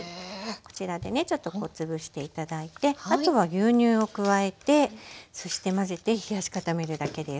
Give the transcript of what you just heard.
こちらでねちょっと潰して頂いてあとは牛乳を加えてそして混ぜて冷やし固めるだけです。